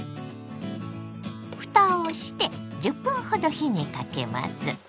ふたをして１０分ほど火にかけます。